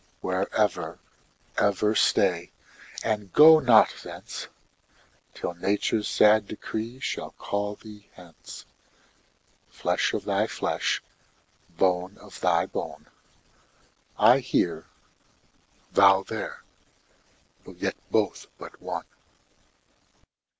Where ever, ever stay, and go not thence, Till nature's sad decree shall call thee hence; Flesh of thy flesh, bone of thy bone, I here, thou there, yet both but one.